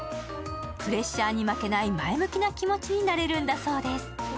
プレッシャーに負けない前向きな気持ちになれるんだそうです。